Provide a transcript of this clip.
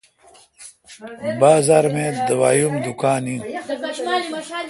بازار می دوای ام دکان این۔